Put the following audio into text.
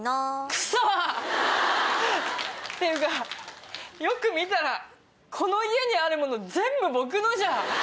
くそっ‼っていうかよく見たらこの家にある物全部僕のじゃん。